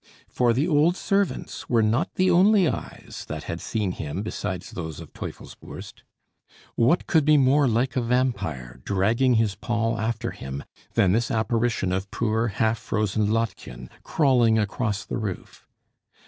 For the old servant's were not the only eyes that had seen him besides those of Teufelsbürst. What could be more like a vampire, dragging his pall after him, than this apparition of poor, half frozen Lottchen, crawling across the roof?